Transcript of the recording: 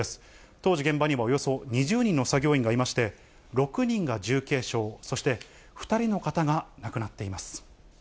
当時、現場にはおよそ２０人の作業員がいまして、６人が重軽傷、そして、２人の方が亡くなっています。